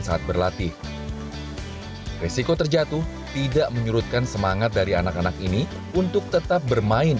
saat berlatih resiko terjatuh tidak menyurutkan semangat dari anak anak ini untuk tetap bermain